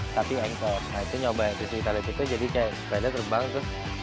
tapi enggak bisa nah itu nyobain tiga ratus enam puluh tailwhip itu jadi kayak sepeda terbang terus